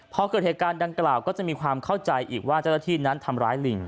พอเกิดเหตุการณ์ดังกล่าวก็จะมีความเข้าใจอีกว่าเจ้าหน้าที่นั้นทำร้ายลิง